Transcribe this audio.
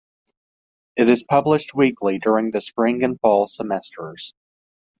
It is published weekly during the spring and fall semesters.